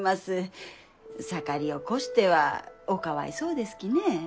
盛りを越してはおかわいそうですきね。